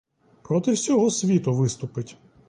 Проти всього світу виступить.